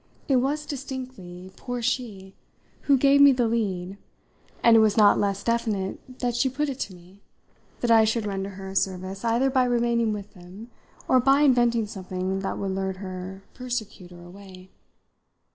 It was distinctly poor she who gave me the lead, and it was not less definite that she put it to me that I should render her a service either by remaining with them or by inventing something that would lure her persecutor away.